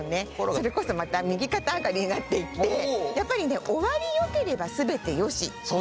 それこそまた右肩上がりになっていってやっぱりね「終わりよければ全てよし」になるんですよね。